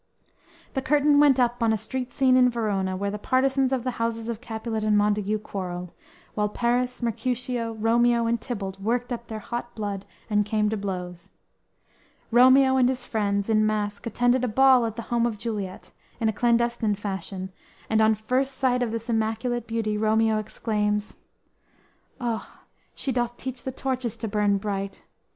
The curtain went up on a street scene in Verona, where the partisans of the houses of Capulet and Montague quarreled, while Paris, Mercutio, Romeo and Tybalt worked up their hot blood and came to blows. Romeo and his friends, in mask, attended a ball at the home of Juliet, in a clandestine fashion, and on first sight of this immaculate beauty Romeo exclaims: _"O, she doth teach the torches to burn bright!